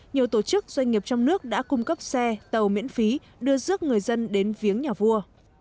nhiều tổ chức doanh nghiệp trong nước đã cung cấp xe tàu miễn phí đưa rước người dân đến viếng nhà vua